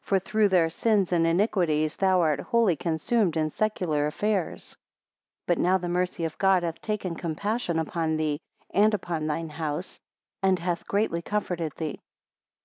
For through their sins and iniquities, thou art wholly consumed in secular affairs. 23 But now the mercy of God hath taken compassion upon thee, and upon thine house, and hath greatly comforted thee.